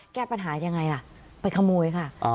แก้ปัญหายังไงล่ะไปขโมยค่ะ